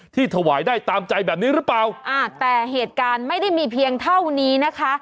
ถวายได้ตามใจแบบนี้หรือเปล่าอ่าแต่เหตุการณ์ไม่ได้มีเพียงเท่านี้นะคะ